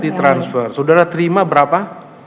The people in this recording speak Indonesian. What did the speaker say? ditransfer saudara terima berapa